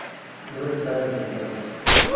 No está amenazado.